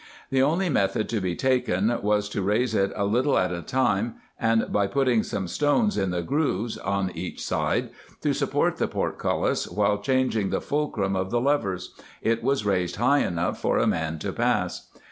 The only method to be taken was, to raise it a little at a time ; and by putting some stones in the grooves on each side, to support the portcullis while changing the fulcrum of the levers, it was raised high enough for a man to pass.